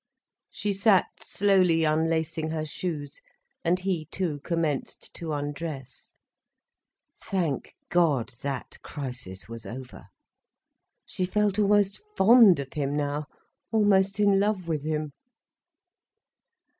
She sat slowly unlacing her shoes, and he too commenced to undress. Thank God that crisis was over. She felt almost fond of him now, almost in love with him.